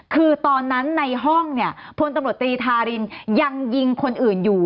คือตอนนั้นในห้องเนี่ยพลตำรวจตรีทารินยังยิงคนอื่นอยู่